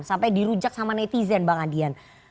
sampai dirujak sama netizen bang adian